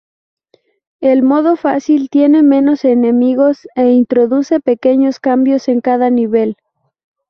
El modo fácil tiene menos enemigos e introduce pequeños cambios en cada nivel.